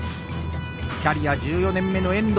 キャリア１４年目の遠藤。